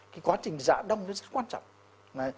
cái quá trình giả đông nó rất quan trọng